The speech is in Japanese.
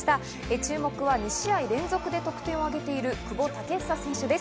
注目は２試合連続で得点を挙げている久保建英選手です。